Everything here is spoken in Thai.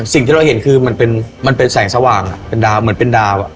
สิ่งที่เราเห็นคือมันเป็นแสงสว่างเป็นดาวเหมือนเป็นดาว